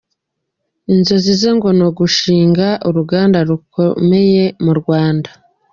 Inzozi ze ngo ni ugushinga uruganda rukomeye mu Rwanda.